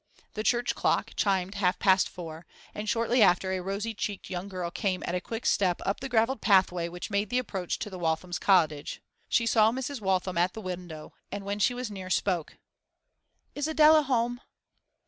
The church clock chimed half past four, and shortly after a rosy cheeked young girl came at a quick step up the gravelled pathway which made the approach to the Walthams' cottage. She saw Mrs. Waltham at the window, and, when she was near, spoke. 'Is Adela at home?